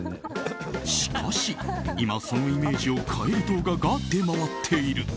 しかし、今そのイメージを変える動画が出回っている。